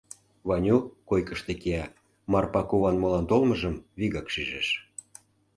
Ваню койкышто кия, Марпа куван молан толмыжым вигак шижеш.